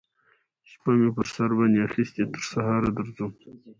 شپه می پر سر باندی اخیستې تر سهاره درځم